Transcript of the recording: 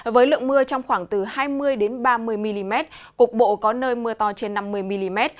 với lượng mưa trong khoảng từ hai mươi ba mươi mm cục bộ có nơi mưa to trên năm mươi mm